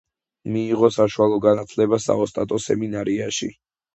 მიიღო საშუალო განათლება საოსტატო სემინარიაში.